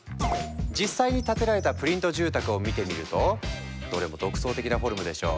実際に建てられたプリント住宅を見てみるとどれも独創的なフォルムでしょ！